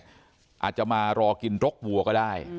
อาจจะมารอกินรกวัวก็ได้